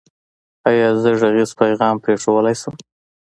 ایا زه غږیز پیغام پریښودلی شم؟